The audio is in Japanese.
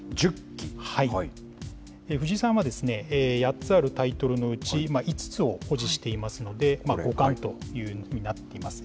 藤井さんは、８つあるタイトルのうち、５つを保持していますので、五冠というふうになっています。